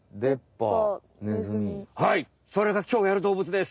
はいそれがきょうやる動物です！